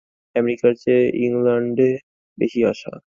আমেরিকার চেয়ে ইংলণ্ডে বেশী আশা।